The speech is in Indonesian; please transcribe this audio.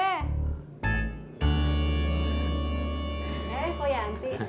eh pak yanti